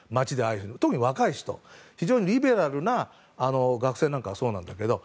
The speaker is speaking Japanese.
特に若い人、リベラルな学生なんかはそうなんだけど。